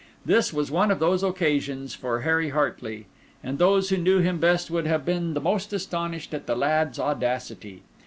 This was one of those occasions for Harry Hartley; and those who knew him best would have been the most astonished at the lad's audacity.